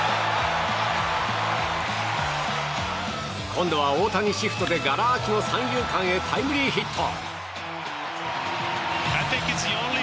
今度は大谷シフトでがら空きの三遊間へタイムリーヒット。